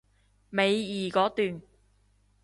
尾二嗰段